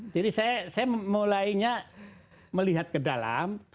jadi saya mulainya melihat ke dalam